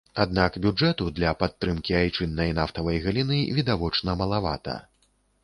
Аднак бюджэту для падтрымкі айчыннай нафтавай галіны відавочна малавата.